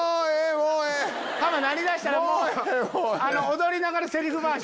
踊りながらセリフ回し。